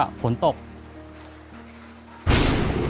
สวัสดีครับน้องเล่จากจังหวัดพิจิตรครับ